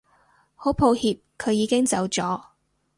好抱歉佢已經走咗